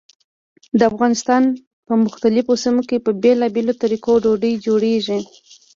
د افغانستان په مختلفو سیمو کې په بېلابېلو طریقو ډوډۍ جوړېږي.